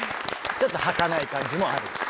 ちょっとはかない感じもある。